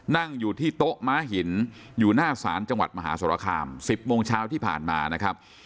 นั่งอยู่ที่โต๊ะม้าหินอยู่หน้าศาลจังหวัดมหาสรคาม๑๐โมงเช้าที่ผ่านมานะครับ